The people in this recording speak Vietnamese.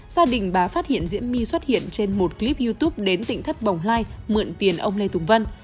gia đình bà phát hiện diễm my xuất hiện trên một clip youtube đến tỉnh thất bồng lai mượn tiền ông lê tùng vân